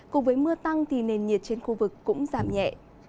cùng với mưa tăng thì nền nhiệt trên khu vực cũng giảm nhẹ